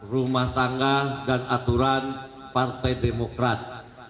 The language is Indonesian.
rumah tangga dan aturan partai demokrat